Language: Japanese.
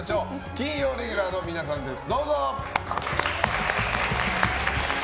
金曜レギュラーの皆さんです。